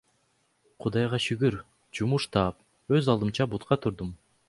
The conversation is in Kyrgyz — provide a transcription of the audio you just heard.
Кудайга шүгүр, жумуш таап, өз алдымча бутка турдум.